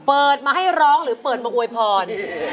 เปิดมาให้ร้องหรือเปิดมาอวยพร